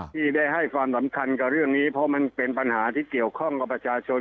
ที่ได้ให้ความสำคัญกับเรื่องนี้เพราะมันเป็นปัญหาที่เกี่ยวข้องกับประชาชน